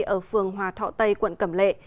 ở phường hòa thọ tây quận cẩm lệ